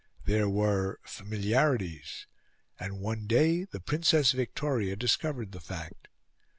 There were familiarities, and one day the Princess Victoria discovered the fact.